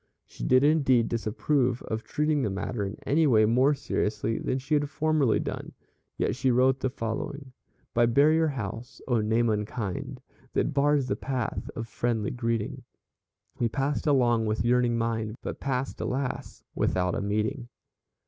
She did indeed disapprove of treating the matter in any way more seriously than she had formerly done, yet she wrote the following: "By Barrier House oh, name unkind, That bars the path of friendly greeting; We passed along with yearning mind, But passed, alas! without a meeting."